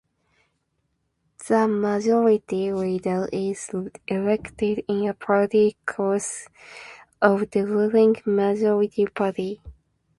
The majority leader is elected in a party caucus of the ruling majority party.